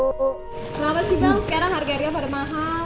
kenapa sih bang sekarang harganya pada mahal